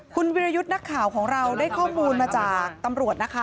คุณวิรยุทธ์นักข่าวของเราได้ข้อมูลมาจากตำรวจนะคะ